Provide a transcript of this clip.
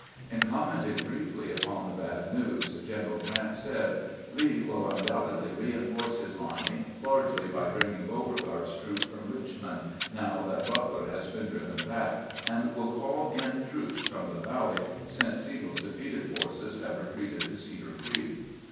In commenting briefly upon the bad news. General Grant said :" Lee will undoubtedly reinforce his army largely by bringing Beauregard's troops from Richmond, now that Butler has been driven back, and will call in troops from the Valley since Sigel's defeated forces have retreated to Cedar Creek.